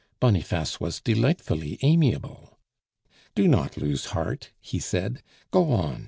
Boniface was delightfully amiable. "Do not lose heart," he said; "go on!